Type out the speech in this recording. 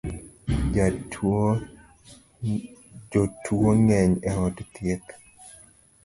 Jotuo ng’eny e od thieth